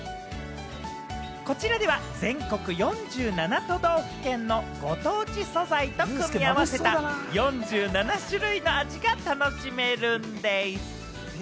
こちらでは全国４７都道府県のご当地素材と組み合わせた４７種類の味が楽しめるんでぃす。